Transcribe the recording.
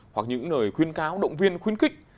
hoặc những lời khuyên cáo động viên khuyến kích